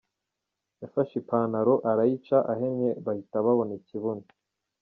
Yafashe ipantaro arayica ,ahennye bahita babona ikibuno.